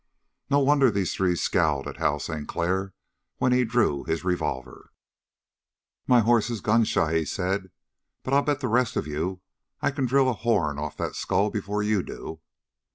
No wonder the three scowled at Hal Sinclair when he drew his revolver. "My horse is gun shy," he said, "but I'll bet the rest of you I can drill a horn off that skull before you do."